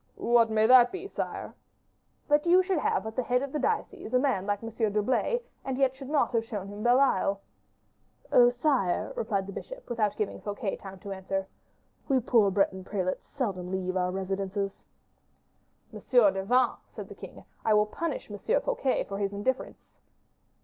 "What may that be, sire?" "That you should have at the head of the diocese a man like M. d'Herblay, and yet should not have shown him Belle Isle." "Oh, sire," replied the bishop, without giving Fouquet time to answer, "we poor Breton prelates seldom leave our residences." "M. de Vannes," said the king, "I will punish M. Fouquet for his indifference."